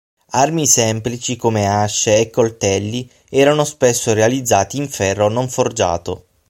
Armi semplici come asce e coltelli erano spesso realizzati in ferro non forgiato.